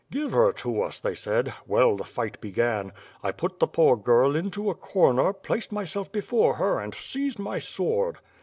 Give her to us they said. Well, the fight began. 1 put the poor girl into a corner, placed myself before her, and seized my sword.